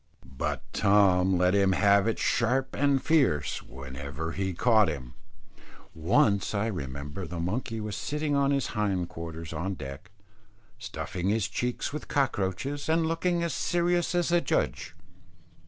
But Tom let him have it sharp and fierce, whenever he caught him. Once I remember the monkey was sitting on his hind quarters on deck, stuffing his cheeks with cockroaches, and looking as serious as a judge.